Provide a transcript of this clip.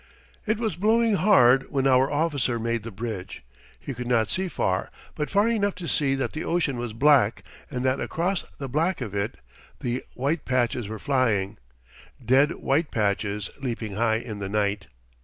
It was blowing hard when our officer made the bridge. He could not see far, but far enough to see that the ocean was black, and that across the black of it the white patches were flying dead white patches leaping high in the night.